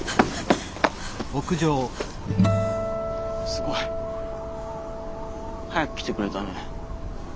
すごい早く来てくれたね。